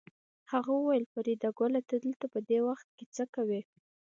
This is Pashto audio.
هغه وویل فریدګله ته دلته په دې وخت څه کوې